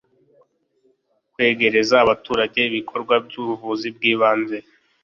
kwegereza abaturage ibikorwa by'ubuvuzi bw'ibanze